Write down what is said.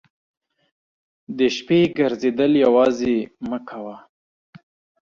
د شپې ګرځېدل یوازې مه کوه.